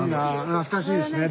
懐かしいですね。